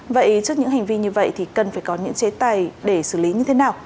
vậy trước những hành vi như vậy thì cần phải có những chế tài để xử lý như thế nào